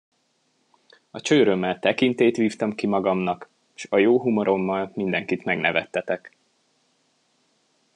A csőrömmel tekintélyt vívtam ki magamnak, s a jó humorommal mindenkit megnevettetek.